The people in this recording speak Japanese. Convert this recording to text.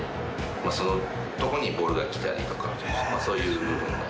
そのとこにボールが来たりとか、そういうのが。